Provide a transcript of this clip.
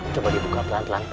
coba dibuka pelan pelan